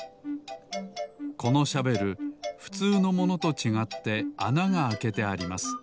このシャベルふつうのものとちがってあながあけてあります。